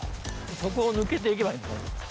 ここを抜けていけばいいのかな。